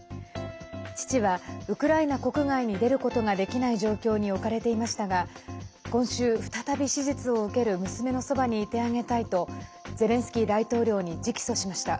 父は、ウクライナ国外に出ることができない状況に置かれていましたが今週、再び手術を受ける娘のそばにいてあげたいとゼレンスキー大統領に直訴しました。